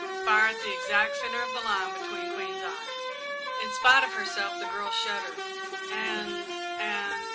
"Fire at the exact centre of the line between Queen's eyes." In spite of herself the girl shuddered. "And and